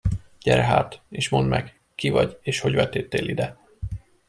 Gyere hát, és mondd meg, ki vagy, és hogy vetődtél ide?